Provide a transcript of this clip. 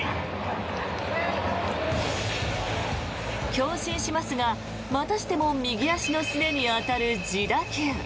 強振しますが、またしても右足のすねに当たる自打球。